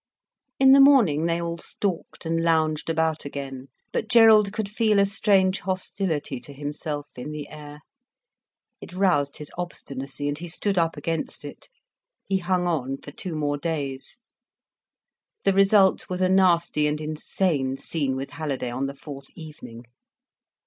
In the morning they all stalked and lounged about again. But Gerald could feel a strange hostility to himself, in the air. It roused his obstinacy, and he stood up against it. He hung on for two more days. The result was a nasty and insane scene with Halliday on the fourth evening.